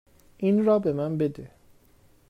این را به من بده.